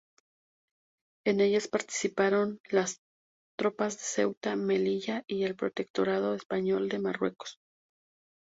En ellas participaron las tropas de Ceuta, Melilla y el Protectorado Español de Marruecos.